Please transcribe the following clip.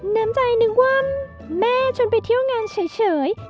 น้ำใจนึกว่าแม่ชวนไปเที่ยวงานเฉย